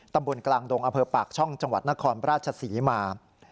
ตำบลกลางดงอำเภอปากช่องจังหวัดนครราชศรีมา